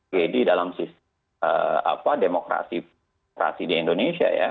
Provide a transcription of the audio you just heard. gedi dalam demokrasi di indonesia ya